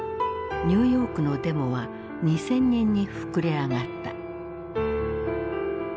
ニューヨークのデモは２，０００人に膨れあがった。